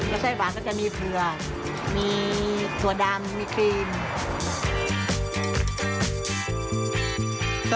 แล้วไส้หวานก็จะมีเผือกมีถั่วดำมีครีม